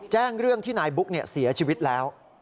เรื่องที่นายบุ๊กเสียชีวิตแล้ว